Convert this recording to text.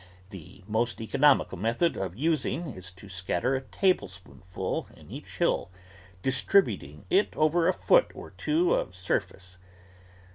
The most economical method of using is to scatter a tablespoonful in each hill, distributing it over a foot or two of sur face.